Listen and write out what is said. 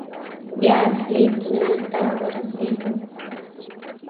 بيا اصلي تونل ته ورسېدو.